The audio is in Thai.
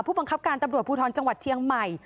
ผู้บังคับการตำรวจภูทรจังหวัดเชียงใหม่